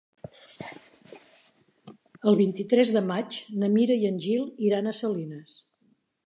El vint-i-tres de maig na Mira i en Gil iran a Salines.